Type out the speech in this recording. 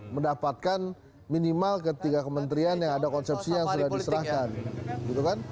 mendapatkan minimal ketiga kementerian yang ada konsepsi yang sudah diserahkan gitu kan